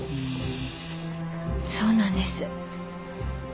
そうなんです。